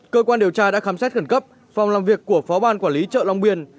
cơ quan điều tra đã khám xét khẩn cấp phòng làm việc của phó ban quản lý chợ long biên